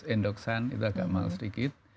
endoksan itu agak mahal sedikit